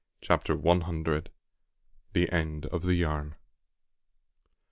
CHAPTER ONE HUNDRED. THE END OF THE "YARN."